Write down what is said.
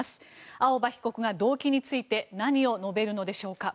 青葉被告が動機について何を述べるのでしょうか。